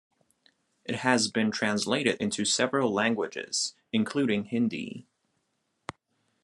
It has been translated into several languages, including Hindi.